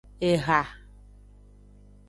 Eha.